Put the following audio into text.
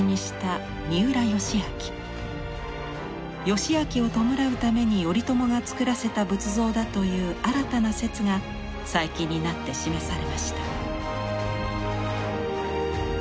義明を弔うために頼朝がつくらせた仏像だという新たな説が最近になって示されました。